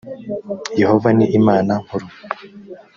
yehova ni imana nkuru